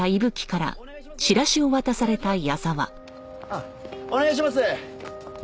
あっお願いします！